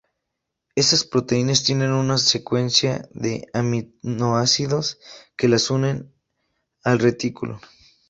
Estas proteínas tienen una secuencia de aminoácidos que las unen al retículo.